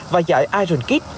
và giải ironkid